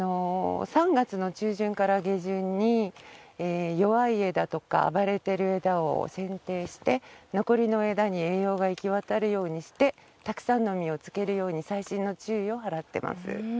３月の中旬から下旬に弱い枝とか、割れている枝をせんていして残りの枝に栄養がいきわたるようにしてたくさんの実をつけるように細心の注意を払ってます。